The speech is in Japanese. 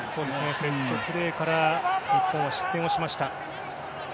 セットプレーから失点をしました。